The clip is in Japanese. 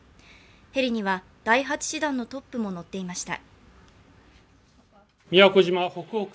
ヘリには第８師団のトップも乗っていました。